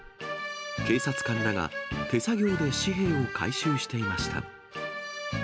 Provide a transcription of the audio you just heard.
警察官らが手作業で紙幣を回収していました。